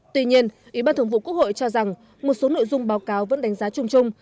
tuy nhiên ủy ban thường vụ quốc hội cho rằng một số nội dung báo cáo vẫn đánh giá chung chung